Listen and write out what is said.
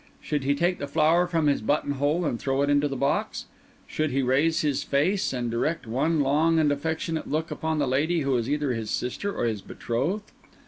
Should he take the flower from his button hole and throw it into the box? Should he raise his face and direct one long and affectionate look upon the lady who was either his sister or his betrothed?